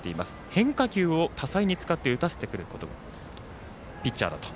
変化球を多彩に使って打たせてくるピッチャーだと。